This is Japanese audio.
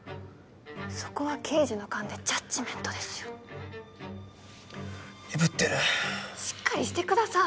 そこは刑事の勘でジャッジメントですよ鈍ってるしっかりしてください